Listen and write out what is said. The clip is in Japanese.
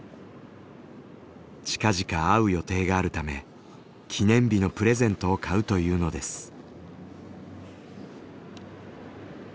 近々会う予定があるため記念日のプレゼントを買うというのです。